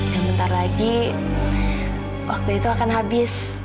dan bentar lagi waktu itu akan habis